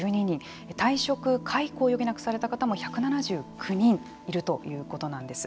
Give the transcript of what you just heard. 退職・解雇を余儀なくされた方も１７９人いるということなんです。